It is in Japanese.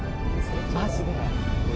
マジで。